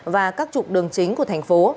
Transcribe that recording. và các trục đường chính của thành phố